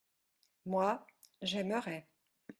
Moi, j’aimerai.